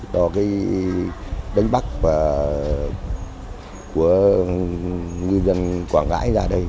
đó là cái đánh bắt của người dân quảng ngãi ra đây